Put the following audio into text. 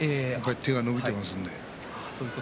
手が伸びていますので。